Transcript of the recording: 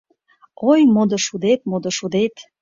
Ой, модо шудет, модо шудет